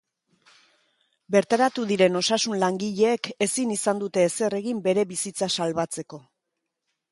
Bertaratu diren osasun-langileek ezin izan dute ezer egin bere bizitza salbatzeko.